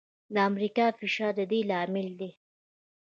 د امریکا فشار د دې لامل دی.